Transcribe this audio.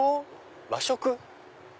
和食？